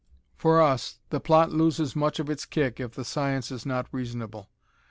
For us, the plot loses much of its kick if the science is not reasonable.